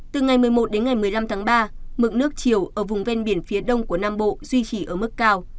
từ ngày một mươi một đến ngày một mươi năm tháng ba mực nước chiều ở vùng ven biển phía đông của nam bộ duy trì ở mức cao